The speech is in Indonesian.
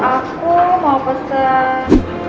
aku mau pesen